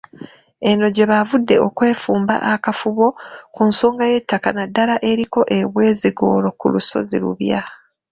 Eno gye baavudde okwevumba akafubo ku nsonga y'ettaka naddala eririko obwezigoolo ku lusozi Lubya.